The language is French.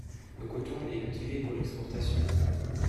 Le Coton est cultivé pour l’exportation.